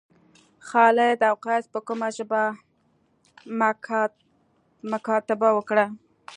خالد او قیس په کومه ژبه مکاتبه وکړه.